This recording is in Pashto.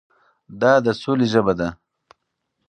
دا د سولې ژبه ده.